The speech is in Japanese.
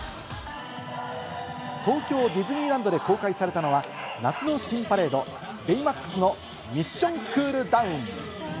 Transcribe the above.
東京ディズニーランドで公開されたのは、夏の新パレード、ベイマックスのミッション・クールダウン。